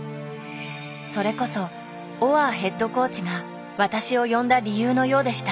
それこそオアーヘッドコーチが私を呼んだ理由のようでした。